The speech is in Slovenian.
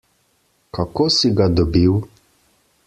Kako si ga dobil?